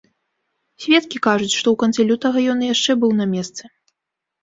Сведкі кажуць, што ў канцы лютага ён яшчэ быў на месцы.